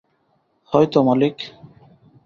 হয়তো, মালিক।